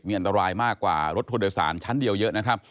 มีอันตรายมากกว่ารถทัวร์โดยสารชั้นเดียวเยอะ